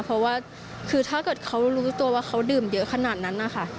เพราะว่าคือถ้าเกิดเขารู้ตัวว่าเขาดื่มเยอะขนาดนั้นนะคะ